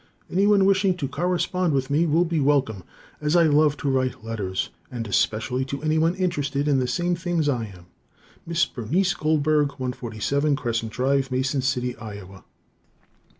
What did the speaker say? Anyone wishing to correspond with me will be welcome, as I love to write letters, and especially to anyone interested in the same things that I am. (Miss) Bernice Goldberg, 147 Crescent Drive, Mason City, Iowa.